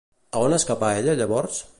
A on escapà ella llavors?